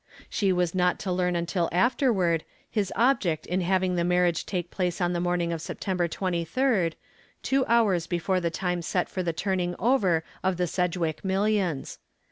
She was not to learn until afterward his object in having the marriage take place on the morning of September 23d, two hours before the time set for the turning over of the Sedgwick millions.